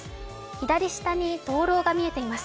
左下に灯籠が見えています。